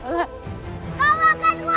kamu akan memanfaatkan ibumu